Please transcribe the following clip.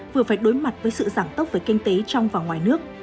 vừa phải đối mặt với sự giảng tốc với kinh tế trong và ngoài nước